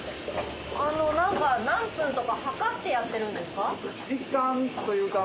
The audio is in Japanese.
何分とか計ってやってるんですか？